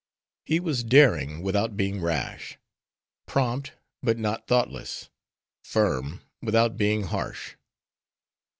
He was daring, without being rash; prompt, but not thoughtless; firm, without being harsh.